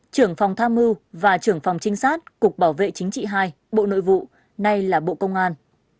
trưởng phòng tham mưu và trưởng phòng trinh sát cục bảo vệ chính trị hai bộ nội vụ nay là bộ công an